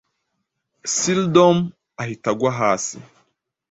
Seldom ahita agwa hasi,